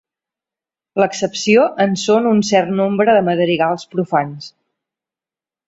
L'excepció en són un cert nombre de madrigals profans.